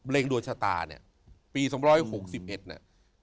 เล็งดวชตาเนี่ยปี๒๖๑เนี่ย